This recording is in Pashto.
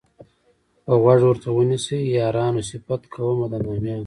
که غوږ ورته ونیسئ یارانو صفت کومه د نامیانو.